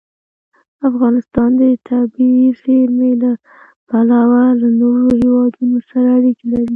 افغانستان د طبیعي زیرمې له پلوه له نورو هېوادونو سره اړیکې لري.